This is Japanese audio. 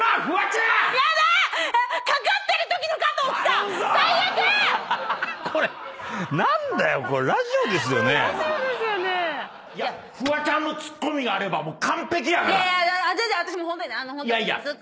フワちゃんのツッコミがあれば完璧やから！